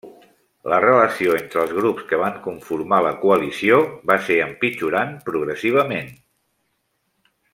La relació entre els grups que van conformar la coalició va ser empitjorant progressivament.